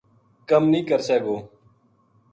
کم نیہہ کرسے گو